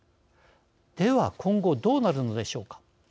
では、今後どうなるのでしょうか。